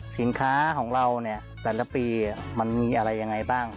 สินค้าของเราเนี่ยแต่ละปีมันมีอะไรยังไงบ้าง